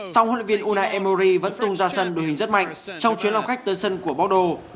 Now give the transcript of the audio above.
song huấn luyện viên unai emery vẫn tung ra sân đối hình rất mạnh trong chuyến lòng khách tới sân của bordeaux